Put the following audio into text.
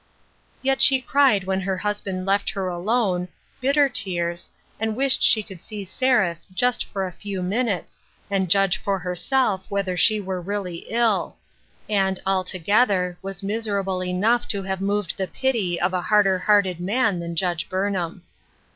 Yet she cried when her husband left her alone, DAYS OF PRIVILEGE. 2/3 bitter tears, and wished she could see Seraph "just for a few minutes " and judge for herself whether she were really ill ; and, altogether, was miserable enough to have moved the pity of a harder hearted man than Judge Burnham.